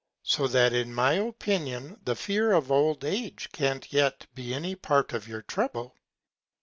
So that in my Opinion the Fear of old Age can't yet be any Part of your Trouble.